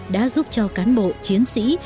đã giúp cho cán bộ chiến sĩ